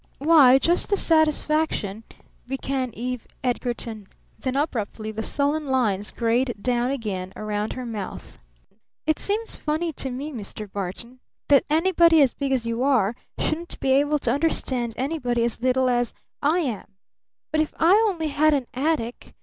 "Why just the satisfaction " began Eve Edgarton. Then abruptly the sullen lines grayed down again around her mouth. "It seems funny to me, Mr. Barton," she almost whined, "that anybody as big as you are shouldn't be able to understand anybody as little as I am. But if I only had an attic!"